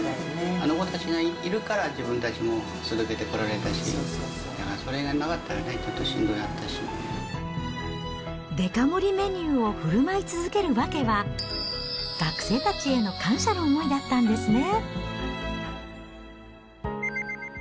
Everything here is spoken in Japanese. あの子たちがいるから、自分たちも続けてこられたし、だからそれがなかったらね、ちょっデカ盛りメニューをふるまい続ける訳は、学生たちへの感謝の思いだったんですね。